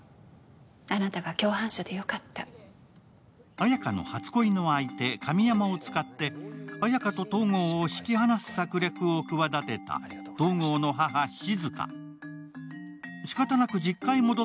綾華の初恋の相手・神山を使って綾華と東郷を引き離す策略を企てた東郷の母・静。